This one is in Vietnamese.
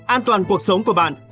an toàn cuộc sống của bạn